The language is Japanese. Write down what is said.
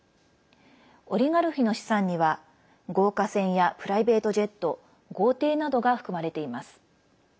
オリガルヒの資産には豪華船やプライベートジェット豪邸などが含まれています。